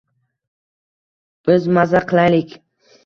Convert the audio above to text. Bir maza qilaylik!